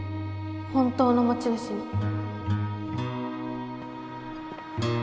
本当の持ち主に